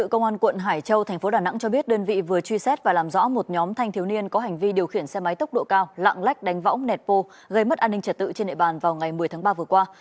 công an quận hải châu thành phố đà nẵng cho biết đơn vị vừa truy xét và làm rõ một nhóm thanh thiếu niên có hành vi điều khiển xe máy tốc độ cao lạng lách đánh võng nẹt vô gây mất an ninh trật tự trên nệ bàn vào ngày một mươi tháng ba vừa qua